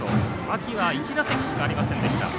秋は１打席しかありませんでした。